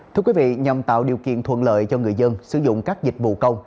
thưa quý vị nhằm tạo điều kiện thuận lợi cho người dân sử dụng các dịch vụ công